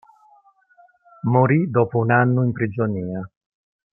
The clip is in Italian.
Morì dopo un anno in prigionia.